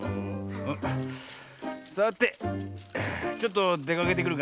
さてちょっとでかけてくるかなあ。